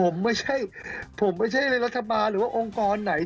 คือผมไม่ใช่รัฐบาลหรือว่าองค์กรไหน